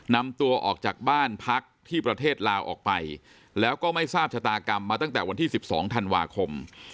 นำตัวออกจากบ้านพักที่ประเทศลาวออกไปแล้วก็ไม่ทราบชะตากรรมมาตั้งแต่วันที่๑๒ธันวาคม